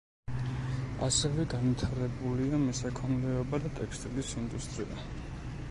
ასევე განვითარებულია მესაქონლეობა და ტექსტილის ინდუსტრია.